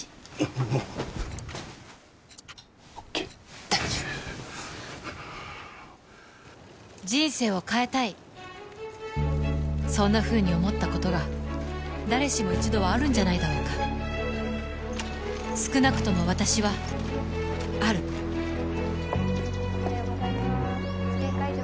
俺もオッケー大丈夫人生を変えたいそんなふうに思ったことが誰しも一度はあるんじゃないだろうか少なくとも私はあるおはようございます試験会場